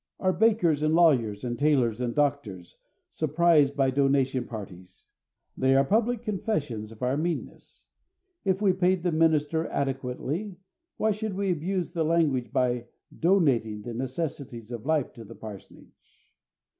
Are bakers and lawyers and tailors and doctors surprised by donation parties? They are public confessions of our meanness. If we paid the minister adequately, why should we abuse the language by "donating" the necessaries of life to the parsonage?